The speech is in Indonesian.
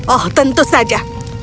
oh tentu saja